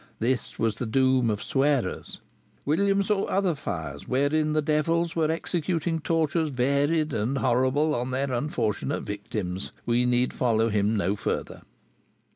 This was the doom of swearers. William saw other fires wherein the devils were executing tortures varied and horrible on their unfortunate victims. We need follow him no further.